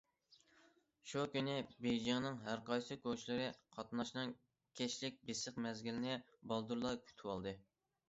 شۇ كۈنى بېيجىڭنىڭ ھەر قايسى كوچىلىرى قاتناشنىڭ كەچلىك بېسىق مەزگىلىنى بالدۇرلا كۈتۈۋالدى.